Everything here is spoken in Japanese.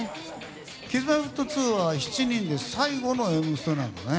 Ｋｉｓ‐Ｍｙ‐Ｆｔ２は７人で最後の「Ｍステ」なんだね？